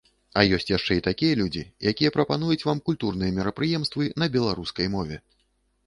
А ёсць яшчэ і такія людзі, якія прапануюць вам культурныя мерапрыемствы на беларускай мове.